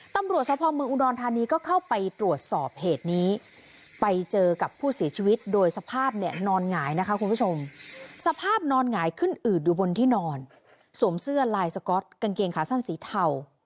ตำรวจสภาพเมืองอุดรธานีก็เข้าไปตรวจสอบเหตุนี้ไปเจอกับผู้เสียชีวิตโดยสภาพเนี่ยนอนหงายนะคะคุณผู้ชมสภาพนอนหงายขึ้นอืดอยู่บนที่นอนสวมเสื้อลายสก๊อตกางเกงขาสั้นสีเทา